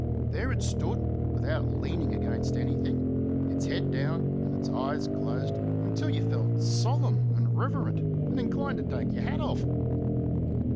There it stood without leaning against anything its head down and its eyes closed, until you felt solemn and reverent and inclined to take your hat off.